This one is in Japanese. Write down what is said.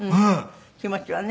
気持ちはね。